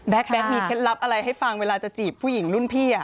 แก๊กมีเคล็ดลับอะไรให้ฟังเวลาจะจีบผู้หญิงรุ่นพี่